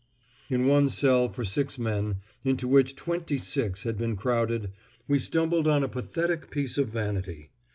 In one cell for six men, into which twenty six had been crowded, we stumbled on a pathetic piece of vanity.